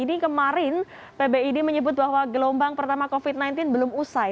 ini kemarin pbid menyebut bahwa gelombang pertama covid sembilan belas belum usai